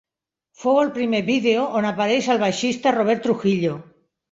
Fou el primer vídeo on apareix el baixista Robert Trujillo.